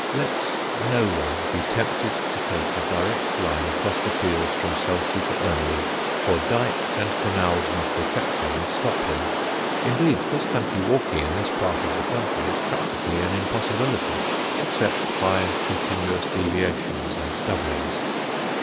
Let no one be tempted to take a direct line across the fields from Selsey to Earnley, for dykes and canals must effectually stop him. Indeed, cross country walking in this part of the country is practically an impossibility, except by continuous deviations and doublings.